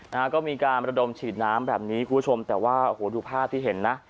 นะฮะก็มีการระดมฉีดน้ำแบบนี้คุณผู้ชมแต่ว่าโอ้โหดูภาพที่เห็นนะ